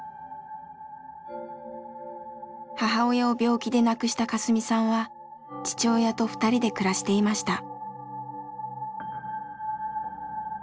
母親を病気で亡くしたカスミさんは父親と２人で暮らしていました。